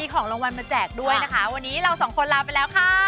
ของรางวัลมาแจกด้วยนะคะวันนี้เราสองคนลาไปแล้วค่ะ